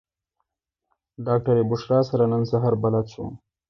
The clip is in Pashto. ډاکټره بشرا سره نن سهار بلد شوم.